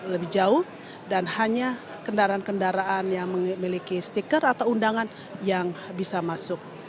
lebih jauh dan hanya kendaraan kendaraan yang memiliki stiker atau undangan yang bisa masuk